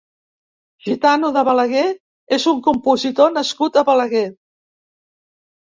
Gitano de Balaguer és un compositor nascut a Balaguer.